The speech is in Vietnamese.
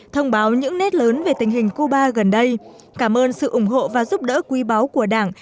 thông báo những nét lớn về tình hình cuba gần đây cảm ơn sự ủng hộ và giúp đỡ quý báu của đảng